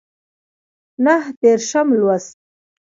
نهه دیرشم لوست